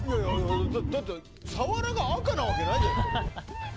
だって、サワラが赤なわけないじゃないですか。